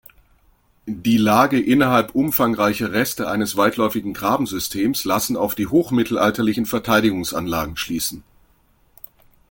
Die Lage innerhalb umfangreicher Reste eines weitläufigen Grabensystems lassen auf die hochmittelalterlichen Verteidigungsanlagen schließen.